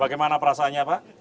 bagaimana perasaannya pak